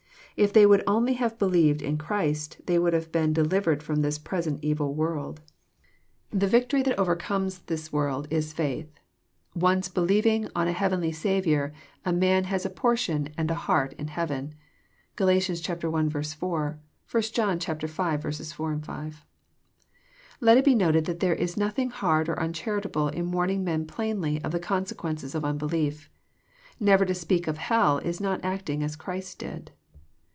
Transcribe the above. If they would only have be lieved in Christ, they would have been *' delivered ft om this present evU world." The victory that overcomes the world is JOHN, CHAP. vnr. 95 faltb. Once believing? on a heavenly Savioar a man has a por* tion and a heart in heaven. (Gal. i. 4 ; 1 John v. 4, 5.) Ijet it be noted that there is nothing hard or uncharitable in warning men plainly of the consequences of unbelief. Never to speak of hell is not acting as Christ did.